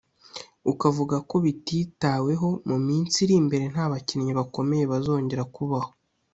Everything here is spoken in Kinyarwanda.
ukavuga ko bititaweho mu minsi iri imbere nta bakinnyi bakomeye bazongera kubaho